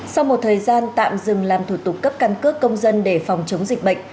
sau một thời gian tạm dừng làm thủ tục cấp căn cước công dân để phòng chống dịch bệnh